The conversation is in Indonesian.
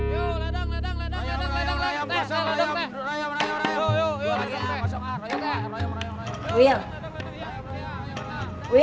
ya udah kita pulang dulu aja